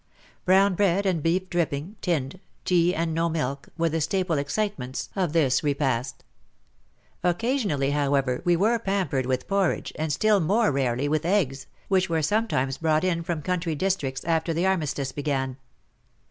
Brown bread and beef dripping (tinned), tea and no milk, were the staple excitements of this ISO WAR AND WOMEN repast. Occasionally, however, we were pam pered with porridge, and still more rarely with eggs, which were sometimes brought in from country districts after the armistice began.